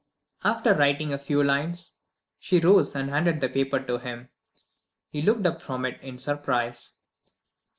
After writing a few lines, she rose and handed the paper to him. He looked up from it in surprise.